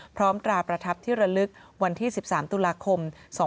ตราประทับที่ระลึกวันที่๑๓ตุลาคม๒๕๕๙